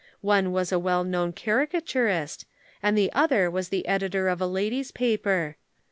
One was a well known caricaturist, and the other was the editor of a lady's paper.